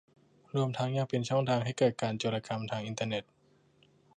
รวมทั้งยังเป็นช่องทางให้เกิดการโจรกรรมทางอินเทอร์เน็ต